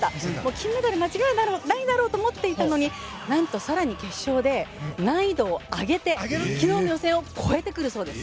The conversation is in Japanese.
金メダル間違いないだろうと思っていたのに何と更に決勝で難易度を上げて昨日の予選を超えてくるそうです。